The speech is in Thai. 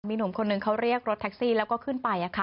มีหนุ่มคนหนึ่งเขาเรียกรถแท็กซี่แล้วก็ขึ้นไป